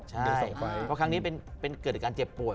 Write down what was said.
ใช่เพราะครั้งนี้เป็นเกิดจากการเจ็บป่วย